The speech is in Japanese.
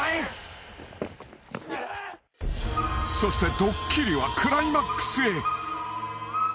［そしてドッキリはクライマックスへ］